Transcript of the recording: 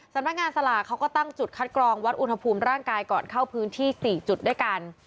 สำนักงานสลากเขาก็ตั้งจุดคัดกรองวัดอุณหภูมิร่างกายก่อนเข้าพื้นที่๔จุดด้วยกัน